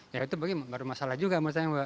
ya itu bagi saya baru masalah juga